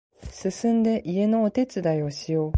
すすんで家のお手伝いをしよう